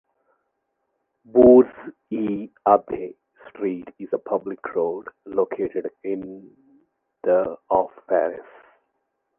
Bourg-l’Abbé street is a public road located in the of Paris.